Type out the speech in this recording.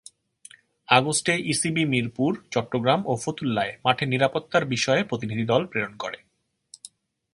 আগস্টে ইসিবি মিরপুর, চট্টগ্রাম ও ফতুল্লায় মাঠের নিরাপত্তার বিষয়ে প্রতিনিধি দল প্রেরণ করে।